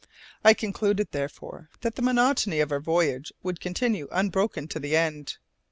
I concluded therefore that the monotony of our voyage would continue unbroken to the end.